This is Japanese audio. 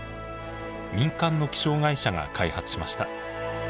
民間の気象会社が開発しました。